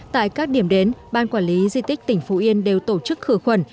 tại các điểm đến ban quản lý di tích tỉnh phú yên đều tổ chức khử khuẩn